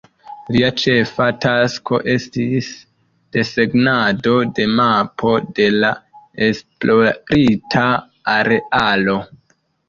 Lia ĉefa tasko estis desegnado de mapo de la esplorita arealo.